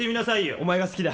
お前が好きだ。